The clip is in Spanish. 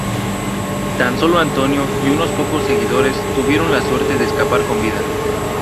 Tan solo Antonio y unos pocos seguidores tuvieron la suerte de escapar con vida.